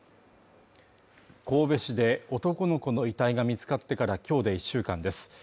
神戸市で男の子の遺体が見つかってから今日で１週間です。